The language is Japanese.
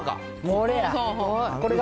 これや。